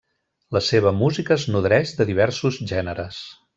La seva música es nodreix de diversos gèneres.